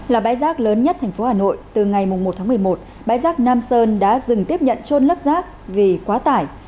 là bãi rác lớn nhất thành phố hà nội từ ngày một tháng một mươi một bãi rác nam sơn đã dừng tiếp nhận trôn lấp rác vì quá tải